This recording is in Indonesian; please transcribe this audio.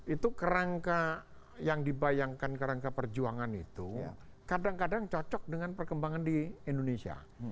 itu kerangka yang dibayangkan kerangka perjuangan itu kadang kadang cocok dengan perkembangan di indonesia